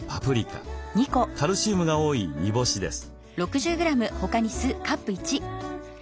カルシウムが多い煮干しです。